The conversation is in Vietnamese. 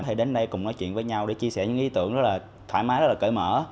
hay đến đây cùng nói chuyện với nhau để chia sẻ những ý tưởng rất là thoải mái rất là cởi mở